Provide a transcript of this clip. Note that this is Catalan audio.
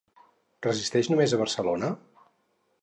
Resideix només a Barcelona?